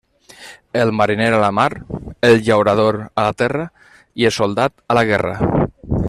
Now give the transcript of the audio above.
El mariner a la mar; el llaurador, a la terra, i el soldat, a la guerra.